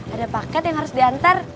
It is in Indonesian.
ada paket yang harus diantar